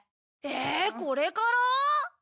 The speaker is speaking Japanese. えこれから？